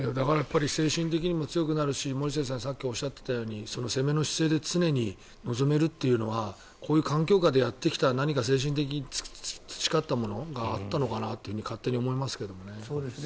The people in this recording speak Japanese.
精神的にも強くなるし森末さんがさっき言っていたように攻めの姿勢で常に臨めるというのはこういう環境下でやってきた精神的に培ってきたものがあったのかなって勝手に思いますけどね。